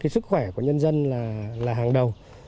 sức khỏe của nhân dân là hàng đầu